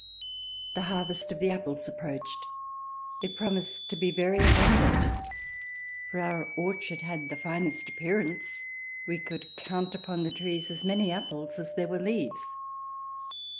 The harvest of the apples approached. It promised to be very abundant, for our orchard had the finest ap pearance. We could count upon the trees as many apples as there were leaves.